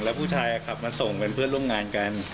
แล้วผู้ชายขับมาส่งเป็นเพื่อนร่วมงานกัน